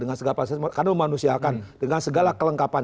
karena memanusiakan dengan segala kelengkapan